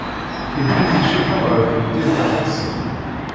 Iwwi-t Cciṭan ɣer temdint iqedsen.